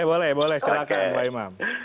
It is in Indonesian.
oh boleh silahkan pak imam